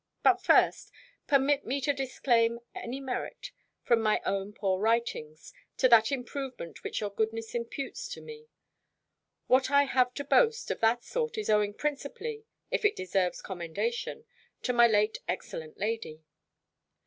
But, first, permit me to disclaim any merit, from my own poor writings, to that improvement which your goodness imputes to me. What I have to boast, of that sort, is owing principally, if it deserves commendation, to my late excellent lady.